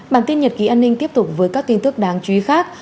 bản tin nhật ký an ninh tiếp tục với các tin tức đáng chú ý khác